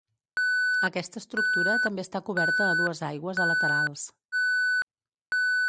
Aquesta estructura també està coberta a dues aigües a laterals.